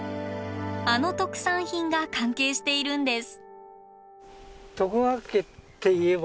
あの特産品が関係しているんです。